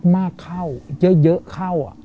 มากเข้าเยอะเข้า